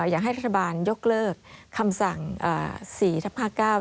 อยากให้รัฐบาลยกเลิกคำสั่ง๔ทับ๕๙